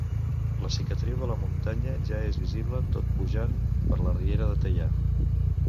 La cicatriu de la muntanya ja és visible tot pujant per la riera de Teià.